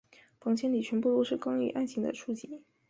房间里全部都是关于爱情的书籍。